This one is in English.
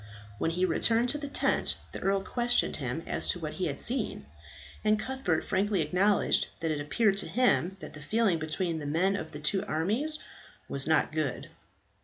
When he returned to the tent the earl questioned him as to what he had seen, and Cuthbert frankly acknowledged that it appeared to him that the feeling between the men of the two armies was not good.